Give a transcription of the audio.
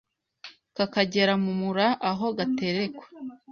kakagera mu mura aho gaterekwa